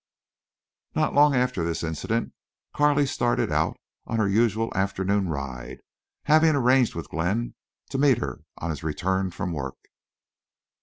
Not long after this incident Carley started out on her usual afternoon ride, having arranged with Glenn to meet her on his return from work.